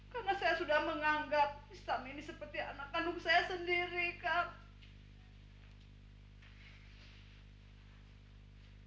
karena saya sudah menganggap mistam ini seperti anak kanung saya sendiri kang